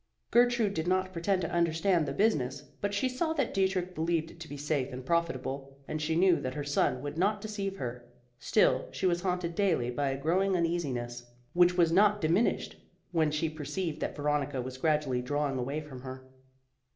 Gertrude did not pretend to understand the business, but she saw that Dietrich believed it to be safe and profitable, and she knew that her son would not deceive her. Still she was haunted daily by a growing uneasiness, which was not diminished when she perceived that Veronica was gradually drawing away from her.